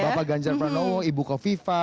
bapak ganjar pranowo ibu kofifa